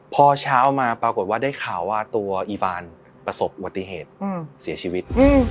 พอเช้ามาปรากฏว่าได้ข่าวว่าตัวอีฟานประสบอุบัติเหตุเสียชีวิต